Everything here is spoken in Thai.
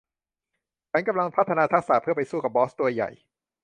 ฉันกำลังพัฒนาทักษะเพื่อไปสู้กับบอสตัวใหญ่